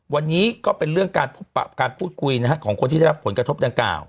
วันนี้ก็เป็นเรื่องการพูดคุยของคนที่ได้รับผลกระทบดังกล่าว